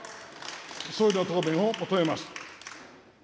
総理の答弁を求めます。